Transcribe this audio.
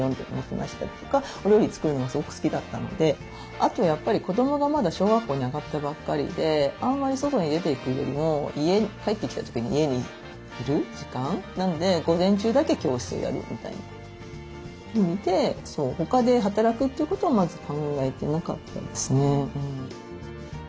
あとやっぱり子どもがまだ小学校に上がったばっかりであんまり外に出ていくよりも帰ってきた時に家にいる時間なんで午前中だけ教室をやるみたいな意味で他で働くということはまず考えてなかったですね。